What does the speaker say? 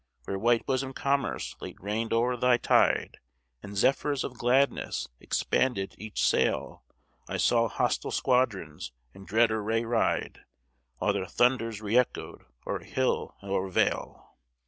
Where white bosom'd commerce late reign'd o'er thy tide, And zephyrs of gladness expanded each sail, I saw hostile squadrons in dread array ride, While their thunders reëchoed o'er hill and o'er vale.